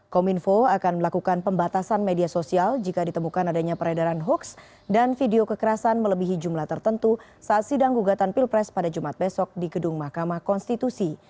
kominfo akan melakukan pembatasan media sosial jika ditemukan adanya peredaran hoaks dan video kekerasan melebihi jumlah tertentu saat sidang gugatan pilpres pada jumat besok di gedung mahkamah konstitusi